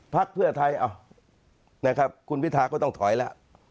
พักเพื่อไทยนะครับคุณพิทาก็ต้องถอยแล้ว